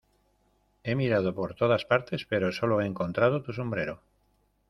He mirado por todas partes, pero sólo he encontrado tu sombrero.